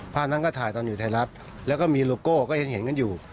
ภาพนั้นก็ถ่ายตอนอยู่ไทยรัฐแล้วก็มีโลโก้ก็เห็นกันอยู่